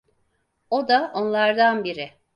O da onlardan biri.